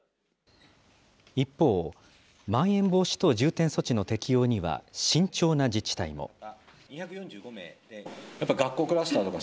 一方、まん延防止等重点措置の適用には、慎重な自治体も。